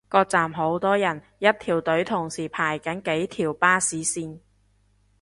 個站好多人，一條隊同時排緊幾條巴士線